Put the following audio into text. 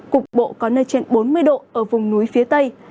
cục bộ có nơi trên bốn mươi độ ở vùng núi phía tây